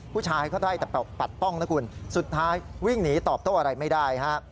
ผู้ชายก็ได้แต่ปัดป้องนะคุณสุดท้ายวิ่งหนีตอบโต้อะไรไม่ได้ฮะ